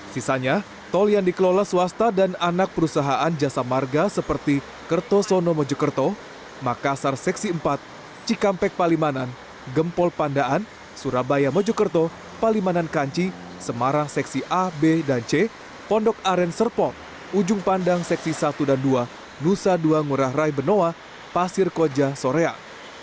sisanya tol yang dikelola swasta dan anak perusahaan jasa marga seperti kerto sono mojukerto makassar seksi empat cikampek palimanan gempol pandaan surabaya mojukerto palimanan kanci semarang seksi a b dan c pondok aren serpon ujung pandang seksi satu dan dua nusa dua ngurah rai benoa pasir koja sorean